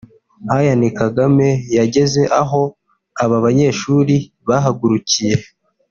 Ian Kagame yageze aho aba banyeshuri bahagurukiye